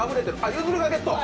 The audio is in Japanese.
ゆずるがゲット。